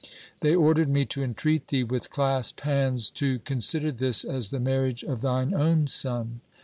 They ordered me to entreat thee with clasped hands to consider this as the marriage of thine own son.'